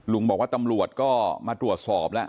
ลุงบอกว่าตำรวจก็มาตรวจสอบแล้ว